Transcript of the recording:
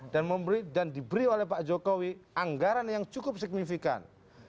dan diberi oleh pak jokowi anggaran yang cukup signifikan